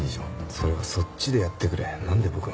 それはそっちでやってくれ何で僕まで。